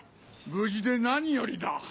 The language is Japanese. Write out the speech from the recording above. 無事で何よりだ。